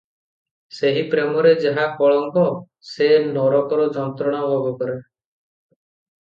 ସେହି ପ୍ରେମରେ ଯାହାର କଳଙ୍କ, ସେ ନରକର ଯନ୍ତ୍ରଣା ଭୋଗ କରେ ।"